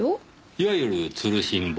いわゆる吊るしんぼ。